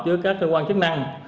với các cơ quan chức năng